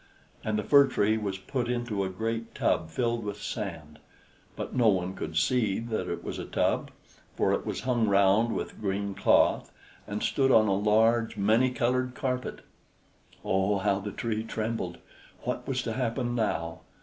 And the Fir Tree was put into a great tub filled with sand; but no one could see that it was a tub, for it was hung round with green cloth, and stood on a large, many colored carpet. Oh, how the Tree trembled! What was to happen now?